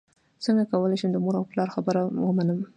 څنګه کولی شم د مور او پلار خبره ومنم